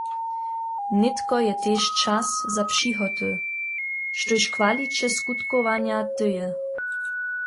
Nětko je tež čas za přihoty, štož kwaliće skutkowanja tyje.